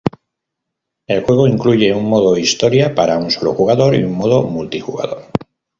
El juego incluye un modo historia para un solo jugador y un modo multijugador.